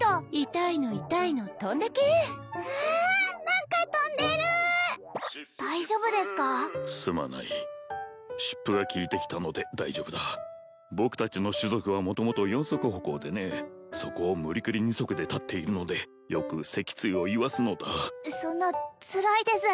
・痛いの痛いの飛んでけ・わあ何か飛んでる大丈夫ですか？すまない湿布が効いてきたので大丈夫だ僕達の種族は元々四足歩行でねそこを無理くり二足で立っているのでよく脊椎をいわすのだそんなつらいです